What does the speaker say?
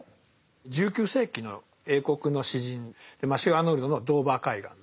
１９世紀の英国の詩人マシュー・アーノルドの「ドーヴァー海岸」。